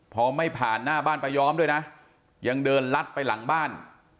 พอไม่ผ่านหน้าบ้านป้ายอมด้วยนะยังเดินลัดไปหลังบ้าน